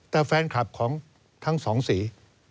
แต่แฟนคลับของทั้งสองสี